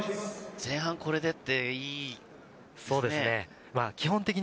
前半これでって。